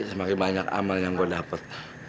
semakin banyak amal yang gue dapat